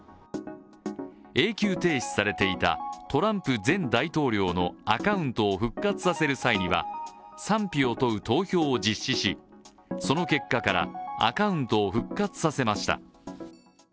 永久停止されていたトランプ前大統領のアカウントを復活させる際には賛否を問う投票を実施し、その結果から、アカウントを復活させました。